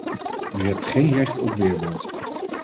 U hebt geen recht op weerwoord.